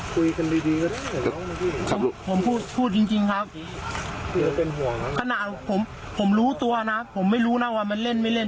คุยกันดีก็ผมพูดพูดจริงครับขนาดผมผมรู้ตัวนะผมไม่รู้นะว่ามันเล่นไม่เล่น